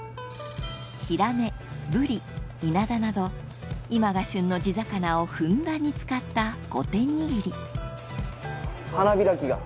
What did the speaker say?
ヒラメブリイナダなど今が旬の地魚をふんだんに使った５点握りうわ。